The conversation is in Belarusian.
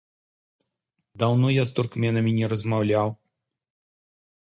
Даўно я з туркменамі не размаўляў.